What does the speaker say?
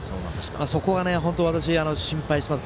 そこが本当、私心配します。